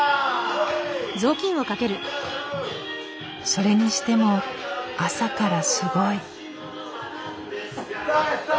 それにしても朝からすごい。